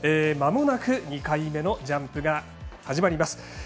まもなく２回目のジャンプが始まります。